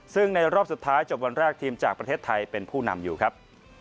ซึ่งในรอบสุดท้ายจบวันแรกทีมจากประเทศไทยเป็นผู้นำอยู่ครับ